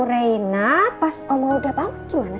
reina pas oma udah bangun gimana